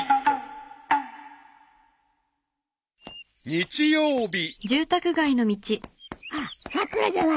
［日曜日］あっさくらじゃないか。